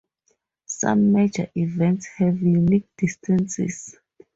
Some major events have unique distances.